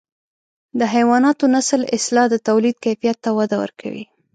د حیواناتو نسل اصلاح د توليد کیفیت ته وده ورکوي.